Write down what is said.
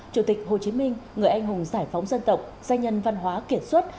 chủ tịch hồ chí minh người anh hùng giải phóng dân tộc danh nhân văn hóa kiệt xuất